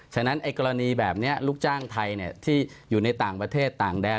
ฉะนั้นกรณีแบบนี้ลูกจ้างไทยที่อยู่ในต่างประเทศต่างแดน